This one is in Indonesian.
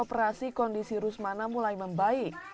operasi kondisi rusmana mulai membaik